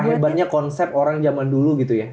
karena banyak konsep orang zaman dulu gitu ya